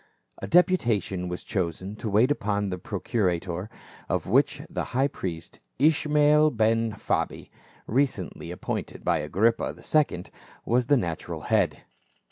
A deputation was chosen to wait upon the procurator of which the high priest, Ishmael Ben 416 PA UL. Phabi, recently appointed by Agrippa II., was the natural head.